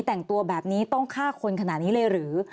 แต่งตัวแบบนี้ต้องฆ่าคนขนาดนี้เลยหรือ